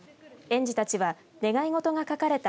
園児たちは願い事が書かれた